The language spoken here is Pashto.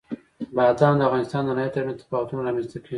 بادام د افغانستان د ناحیو ترمنځ تفاوتونه رامنځته کوي.